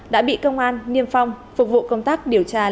đã bị công an niêm phong phục vụ công tác điều tra làm rõ